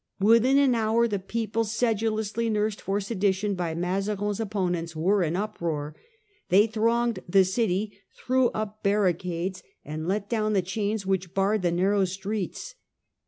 Within an hour the people, Riots in sedulously nursed for sedition by Mazarin's Paris. opponents, were in uproar. They thronged the city, threw up barricades, and let down the chains which barred the narrow streets.